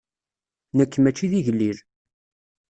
Nekk maci d igellil.